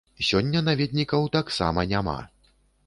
Сёння наведнікаў таксама няма.